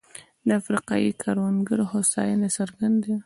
د افریقايي کروندګرو هوساینه څرګندوي.